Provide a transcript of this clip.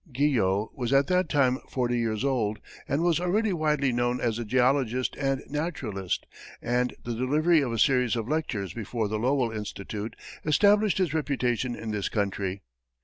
Guyot was at that time forty years old, and was already widely known as a geologist and naturalist, and the delivery of a series of lectures before the Lowell Institute, established his reputation in this country.